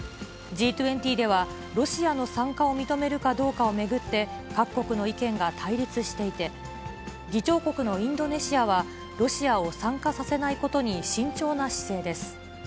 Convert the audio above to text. Ｇ２０ではロシアの参加を認めるかどうかを巡って、各国の意見が対立していて、議長国のインドネシアは、ロシアを参加させないことに慎重な姿勢です。